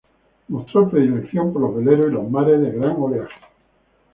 Mostró predilección por los veleros y los mares de gran oleaje.